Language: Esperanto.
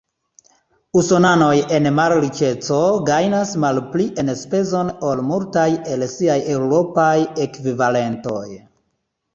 Usonanoj en malriĉeco gajnas malpli enspezon ol multaj el siaj eŭropaj ekvivalentoj.